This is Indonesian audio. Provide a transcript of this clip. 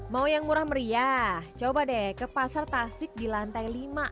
mau yang murah meriah coba deh ke pasar tasik di lantai lima